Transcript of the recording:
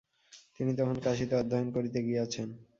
তিনি তখন কাশীতে অধ্যয়ন করিতে গিয়াছেন।